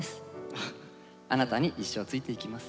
あなたに一生ついていきます。